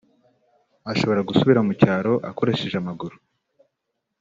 ushobora gusubira mu cyaro ukoresheje amaguru